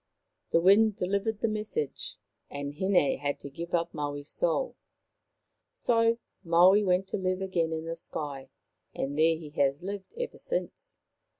The Wind delivered the message, and Hin6 had to give up Maui's soul. So Maui went to live again in the sky, and there he has lived ever since.